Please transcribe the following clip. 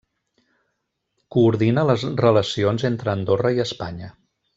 Coordina les Relacions entre Andorra i Espanya.